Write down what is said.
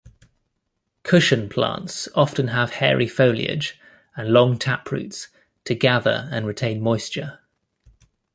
Cushion plants often have hairy foliage and long taproots, to gather and retain moisture.